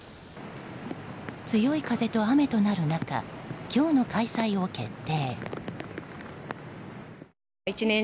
強い風と雨となる中今日の開催を決定。